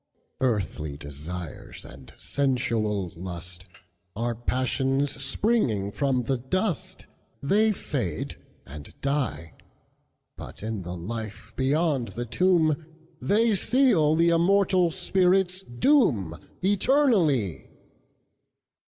Earthly desires and sensual lustAre passions springing from the dust, They fade and die; But, in the life beyond the tomb, They seal the immortal spirit's doomEternally!